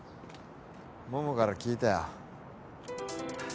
桃から聞いたよ。